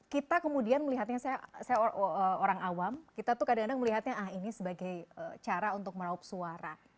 kita kemudian melihatnya saya orang awam kita tuh kadang kadang melihatnya ah ini sebagai cara untuk meraup suara